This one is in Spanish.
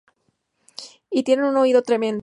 Y tiene un oído tremendo.